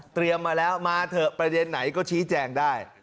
มาแล้วมาเถอะประเด็นไหนก็ชี้แจงได้